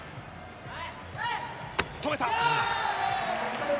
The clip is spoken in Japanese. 止めた！